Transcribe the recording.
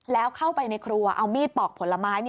แล้วเข้าไปในครัวเอามีดปอกผลไม้